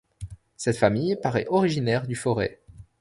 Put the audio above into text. Cette famille parait originaire du Forez.